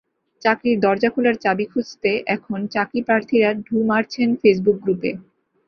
চাকরির দরজা খোলার চাবি খুঁজতে এখন চাকরিপ্রার্থীরা ঢুঁ মারছেন ফেসবুক গ্রুপে।